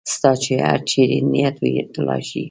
ستا چې هر چېرې نیت وي تلای شې.